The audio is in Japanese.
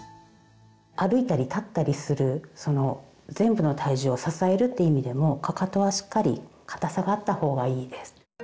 歩いたり立ったりするその全部の体重を支えるって意味でもかかとはしっかり硬さがあった方がいいです。